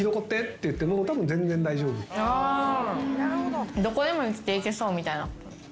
どこでも生きていけそうみたいな。